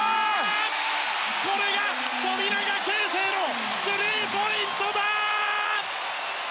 これが富永啓生のスリーポイントだ！